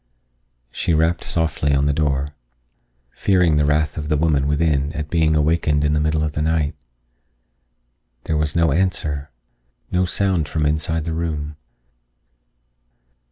She rapped softly on the door, fearing the wrath of the woman within at being awakened in the middle of the night. There was no answer, no sound from inside the room.